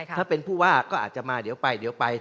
ถ้าเป็นผู้ว่าก็อาจจะมาเดี๋ยวไป